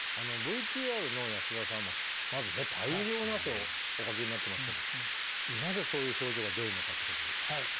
ＶＴＲの安田さんはまずね大量の汗をおかきになってますけどなぜそういう症状が出るのかってことですが。